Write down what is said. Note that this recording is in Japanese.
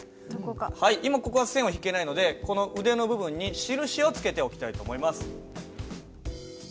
今ここは線は引けないのでこの腕の部分に印を付けておきたいと思います。